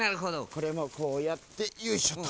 これもこうやってよいしょっと。